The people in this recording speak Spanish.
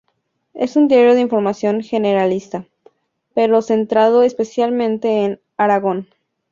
Es un diario de información generalista, pero centrado especialmente en Aragón.